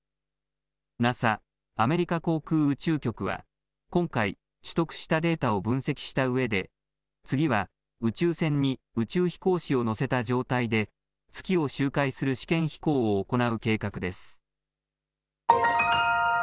ＮＡＳＡ・アメリカ航空宇宙局は今回、取得したデータを分析したうえで次は宇宙船に宇宙飛行士を乗せた状態で月を周回する試験飛行を行う計画です。